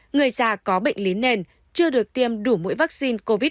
người già có bệnh lý nền chưa được tiêm đủ mũi vaccine covid một mươi chín